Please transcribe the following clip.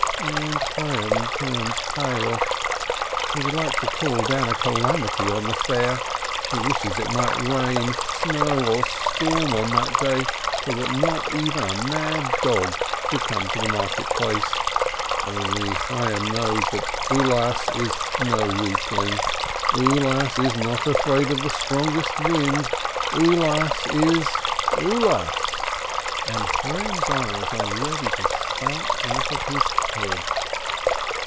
And Chayyim turns pale. He would like to call down a calamity on the fair, he wishes it might rain, snow, or storm on that day, so that not even a mad dog should come to the market place; only Chayyim knows that Ulas is no weakling, Ulas is not afraid of the strongest wind — Ulas is Ulas ! 390 KAISIN And Chayyim's eyes are ready to start out of his head.